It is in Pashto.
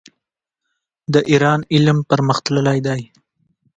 د ایران علم پرمختللی دی.